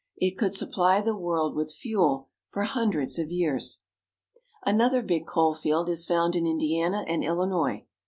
It could supply the world with fuel for hundreds of years. Another big coal field is found in Indiana and Illinois.